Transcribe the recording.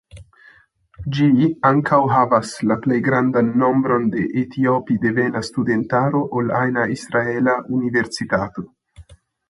Ĝi ankaŭ havas la plej grandan nombron de etiopidevena studentaro ol ajna israela universitato.